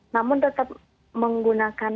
namun tetap menggunakan